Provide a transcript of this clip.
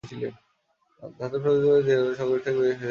ধাতব শব্দ তুলে ধীরে ধীরে লম্বা সকেট থেকে থেকে বেরিয়ে আসছে ওটা।